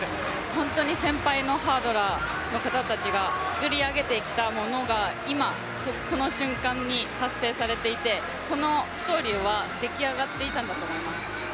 本当に先輩のハードラーの方々が作り上げてきたものが今、この瞬間に達成されていて、このストーリーは出来上がっていたんだと思います。